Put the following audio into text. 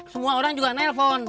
semua orang juga nelpon